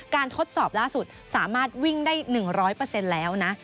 ทดสอบล่าสุดสามารถวิ่งได้๑๐๐แล้วนะ